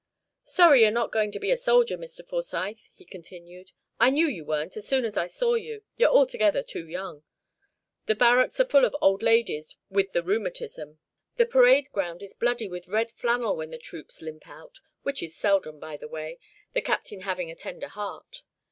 "Sorry you're not going to be a soldier, Mr. Forsyth," he continued. "I knew you weren't, as soon as I saw you you're altogether too young. The barracks are full of old ladies with the rheumatism. The parade ground is bloody with red flannel when the troops limp out, which is seldom, by the way, the Captain having a tender heart.